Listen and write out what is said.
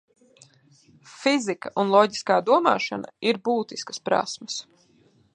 Fizika un loģiskā domāšana ir būtiskas prasmes.